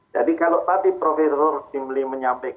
jadi kalau tadi prof rory simly menyampaikan